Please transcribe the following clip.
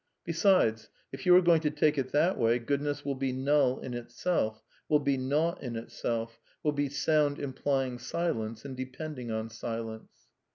Besides, if you are going to take it that way, goodness will be null in itself, will be nought in itself, will be sound implying silence, and depending on silence.